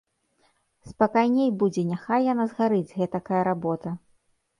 Спакайней будзе, няхай яна згарыць, гэтакая работа.